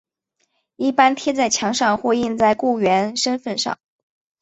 一般贴在墙上或印在雇员身份上。